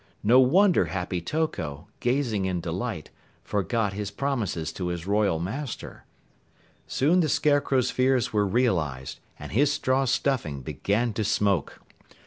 No wonder Happy Toko, gazing in delight, forgot his promises to his Royal Master. Soon the Scarecrow's fears were realized, and his straw stuffing began to smoke.